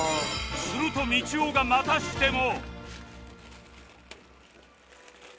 するとみちおがまたしても